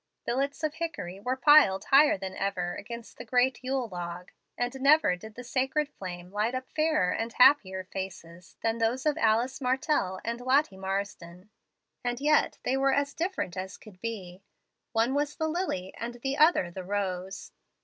Billets of hickory were piled higher than ever against the great yule log; and never did the sacred flame light up fairer and happier faces than those of Alice Martell and Lottie Marsden. And yet they were as different as could be. One was the lily, and the other the rose.